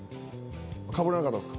かぶらなかったっすか？